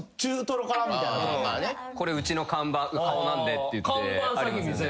「これうちの看板顔なんで」ってありますよね。